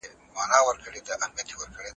کمپيوټر کنفرانس چالانه وي.